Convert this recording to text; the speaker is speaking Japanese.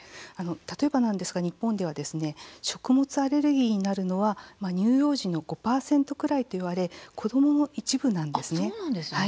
例えばなんですが、日本では食物アレルギーになるのは乳幼児の５％くらいといわれ子どもの一部なんですね。